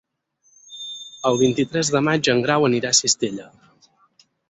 El vint-i-tres de maig en Grau anirà a Cistella.